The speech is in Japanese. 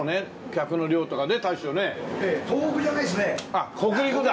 あっ北陸だ。